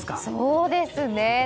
そうですね。